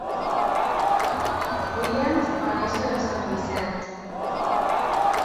Williams va néixer a Sant Vicent.